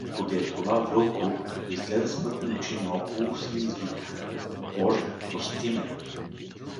Подир това Вълко, като изгледа с мътни очи наоколо си, извика: Боже, прости ме!